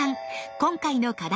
今回の課題